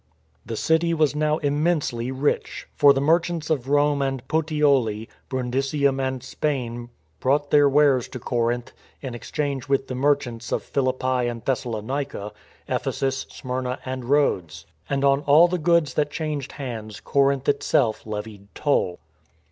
The city was now immensely rich, for the merchants of Rome and Puteoli, Brundisium and Spain brought their wares to Corinth in exchange with the merchants of Philippi and Thessalonica, Ephesus, Smyrna and Rhodes. And on all the goods that changed hands Corinth itself levied toll.